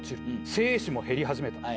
「精子も減りはじめた」。